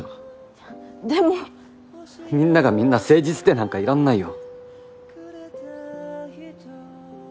いやでもみんながみんな誠実でなんかいらんないよ